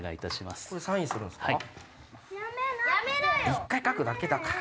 一回書くだけだから。